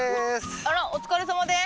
あらお疲れさまです。